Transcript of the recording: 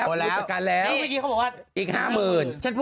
โอนแล้วพิศกันแล้ว